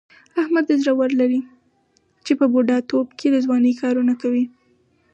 احمد د زړه زور لري، چې په بوډا توب کې د ځوانۍ کارونه کوي.